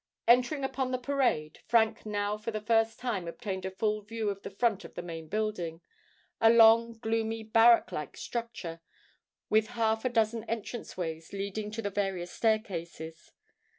Entering upon the parade, Frank now for the first time obtained a full view of the front of the main building—a long, gloomy, barrack like structure, with half a dozen entrance ways leading to the various staircases.